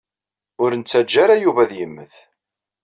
Ur nettaǧǧa ara Yuba ad yemmet.